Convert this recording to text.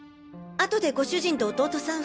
後でご主人と弟さん